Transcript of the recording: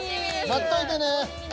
待っといてね。